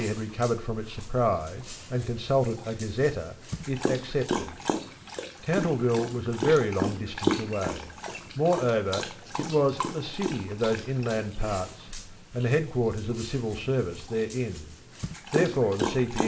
had recovered from its surprise, and consulted a ‘Gazetteer,’ it accepted. Cantleville was a very long distance away. Moreover, it was the ‘City’ of those inland parts, and the headquarters of the Civil Service therein. Therefore the C.P.